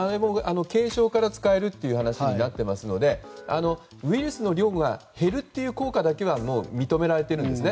軽症から使えるという話になっていますのでウイルスの量が減るという効果だけは認められているんです。